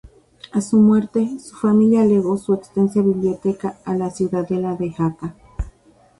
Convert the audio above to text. A su muerte, su familia legó su extensa biblioteca a la Ciudadela de Jaca.